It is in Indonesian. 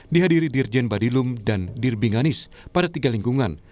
dihadiri dirjen badilum dan dirbinganis pada tiga lingkungan